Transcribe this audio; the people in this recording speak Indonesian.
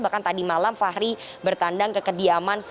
bahkan tadi malam fahri bertandang ke kediaman